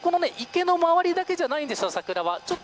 この池の周りだけじゃないんです桜は。